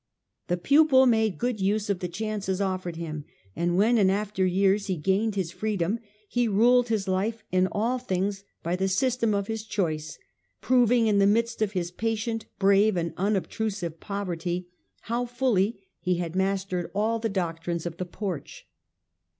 The pupil made good use of the chances offered him ; and when in after years he gained his freedom, he ruled his life in all things by the system of his choice, proving in the midst of his patient, brave, and unobtrusive poverty how fully he had mastered all the doctrines of the Porch.